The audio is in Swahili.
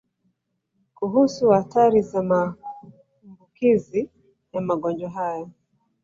Kuhusu hatari za maambukizi ya magonjwa haya